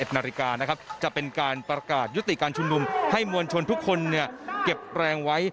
๑นาฬิกานะครับจะเป็นการประกาศยุติการชุมนุมให้มวลชนทุกคนเก็บแรงไว้